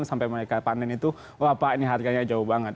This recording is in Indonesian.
sampai mereka panen itu wapak ini harganya jauh banget